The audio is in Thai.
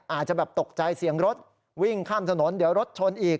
อาจจะแบบตกใจเสียงรถวิ่งข้ามถนนเดี๋ยวรถชนอีก